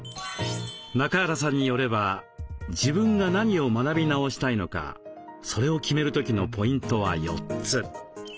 中原さんによれば自分が何を学び直したいのかそれを決める時のポイントは４つ。